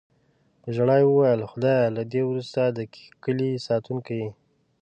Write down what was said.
په ژړا یې وویل: "خدایه، له دې وروسته د کیلي ساتونکی یې".